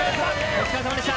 お疲れさまでした。